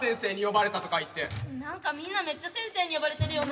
何かみんなめっちゃ先生に呼ばれてるよな。